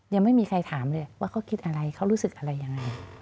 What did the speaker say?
ยังไม่มีใครถามเลยว่าเขาคิดอะไรเขารู้สึกอะไรยังไง